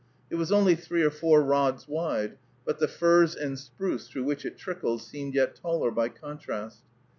It was only three or four rods wide, but the firs and spruce through which it trickled seemed yet taller by contrast.